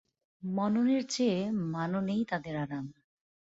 মননের চেয়ে মাননেই তাদের আরাম।